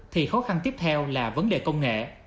thì khó khăn tiếp theo là vấn đề công nghệ